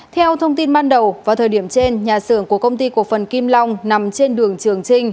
theo thông tin ban đầu vào thời điểm trên nhà xưởng của công ty cổ phần kim long nằm trên đường trường trinh